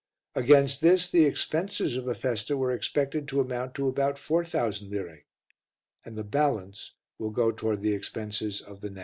Against this the expenses of the festa were expected to amount to about 4000 lire, and the balance will go towards the expenses of the next.